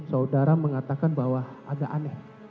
saudara mengatakan bahwa agak aneh